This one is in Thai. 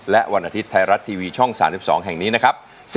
และวันอาทิตย์ไทยรัฐทีวีช่อง๓๒แห่งนี้นะครับ